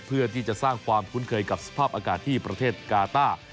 เพื่อที่จะสร้างความคุ้นเคยกับสภาพอากาศที่ประเทศกาต้า